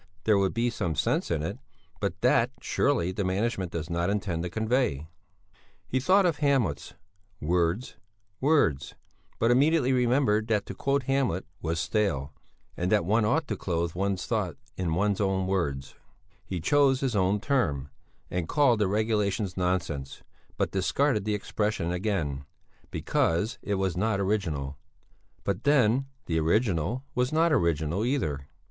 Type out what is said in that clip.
there would be some sense in it; but that, surely, the management does not intend to convey." He thought of Hamlet's "words, words," but immediately remembered that to quote Hamlet was stale, and that one ought to clothe one's thoughts in one's own words; he chose his own term, and called the regulations nonsense, but discarded the expression again, because it was not original; but then the original was not original either.